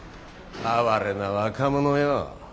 哀れな若者よ